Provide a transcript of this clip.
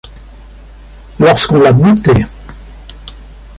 Lorsqu’on l’a bootée.